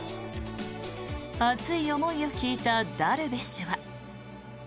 熱い思いを聞いたダルビッシュは。